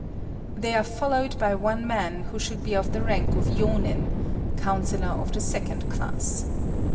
They are followed by one man who should be of the rank of Yônin (councillor of the second class).